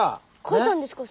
かいたんですか？